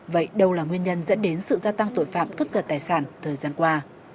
vậy đâu là nguyên nhân dẫn đến sự gia tăng tội phạm cướp giật tài sản thời gian qua